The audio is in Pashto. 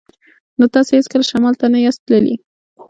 نو تاسې هیڅکله شمال ته نه یاست تللي